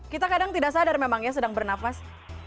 kita kadang tidak sadar memang ya sedang bernafas